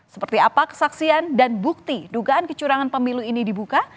seperti apa kesaksian dan bukti dugaan kecurangan pemilu ini dibuka